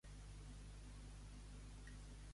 Com anomenava el narrador a la Jacobè?